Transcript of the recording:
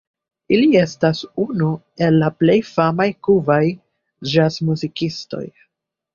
Li estas unu el la plej famaj kubaj ĵazmuzikistoj.